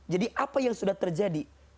jadi apa yang sudah terjadi